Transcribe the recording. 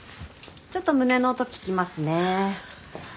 ちょっと胸の音聞きますね。